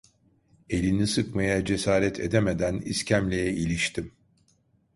Elini sıkmaya cesaret edemeden iskemleye iliştim.